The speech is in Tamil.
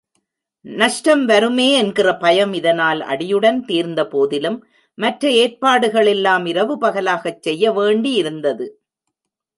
நஷ்டம் வருமே என்கிற பயம் இதனால் அடியுடன் தீர்ந்தபோதிலும், மற்ற ஏற்பாடுகளெல்லாம் இரவு பகலாகச் செய்ய வேண்டியிருந்தது.